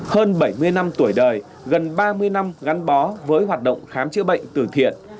hơn bảy mươi năm tuổi đời gần ba mươi năm gắn bó với hoạt động khám chữa bệnh từ thiện